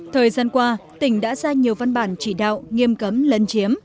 thời gian qua tỉnh đã ra nhiều văn bản chỉ đạo nghiêm cấm lân chiếm